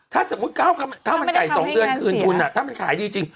ถ้าสมมุติข้าวมันไก่๒เดือนคืนทุนถ้ามันขายดีจริง